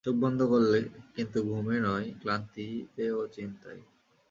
চোখ বন্ধ করলে, কিন্তু ঘুমে নয়, ক্লান্তিতে ও চিন্তায়।